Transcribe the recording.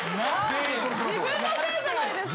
自分のせいじゃないですか。